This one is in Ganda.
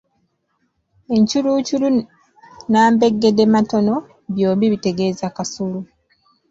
Encuuluculu n'ambegeddematono byombi bitegeeza Kasulu.